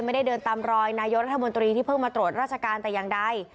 ไม่ได้เดินตามรอยนายกรัฐมนตรีที่เพิ่งมาตรวจราชการแต่อย่างใด